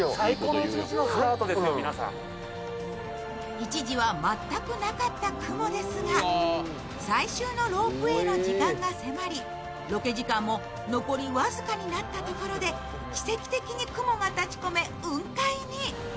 一時は全くなかった雲ですが最終のロープウェイの時間が迫りロケ時間が残りわずかになったところで奇跡的に雲が立ち込め、雲海に。